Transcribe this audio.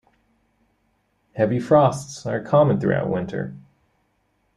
Heavy frosts are common throughout winter.